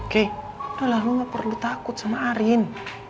udah lah lo gak perlu takut sama arin